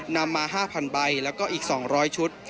นำมา๕๐๐ใบแล้วก็อีก๒๐๐ชุด